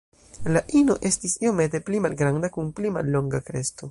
La ino estis iomete pli malgranda kun pli mallonga kresto.